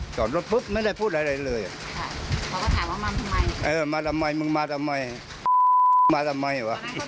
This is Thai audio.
ตอนนั้นก็ถือไม้ถืออะไรอยู่ไหม